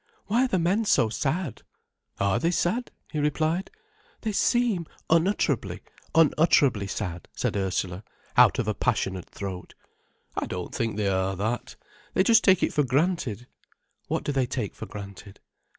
"Why are the men so sad?" "Are they sad?" he replied. "They seem unutterably, unutterably sad," said Ursula, out of a passionate throat. "I don't think they are that. They just take it for granted." "What do they take for granted?"